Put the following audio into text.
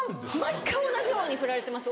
毎回同じようにふられてます